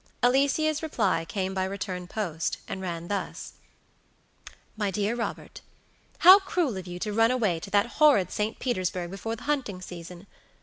Alicia's reply came by return post, and ran thus: "MY DEAR ROBERTHow cruel of you to run away to that horrid St. Petersburg before the hunting season!